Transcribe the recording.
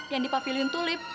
yang di pavilion tulip